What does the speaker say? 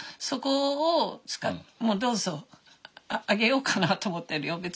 そこをどうぞあげようかなと思ってるよ。